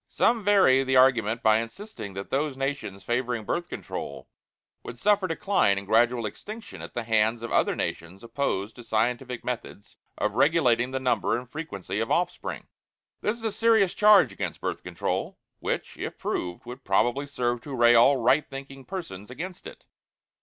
Some vary the argument by insisting that those nations favoring Birth Control would suffer decline and gradual extinction at the hands of other nations opposed to scientific methods of regulating the number and frequency of offspring. This is a serious charge against Birth Control, which if proved would probably serve to array all right thinking persons against it.